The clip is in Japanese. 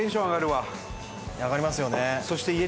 上がりますよね。